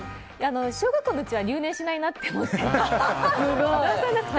小学校のうちは留年しないなと思って。